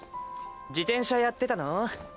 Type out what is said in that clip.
自転車やってたの？